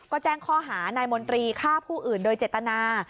ก็แจ้งข้อหานายมนตรีฆ่าผู้อื่นโดยเจตนา